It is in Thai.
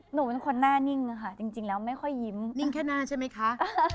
หนูเป็นคนหน้านิ่งค่ะจริงแล้วไม่ค่อยยิ้มนิ่งแค่หน้าใช่ไหมคะ